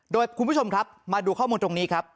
โดยคุณผู้ชมครับมาดูข้อมูลตรงนี้ครับ